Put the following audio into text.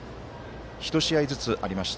１試合ずつありました。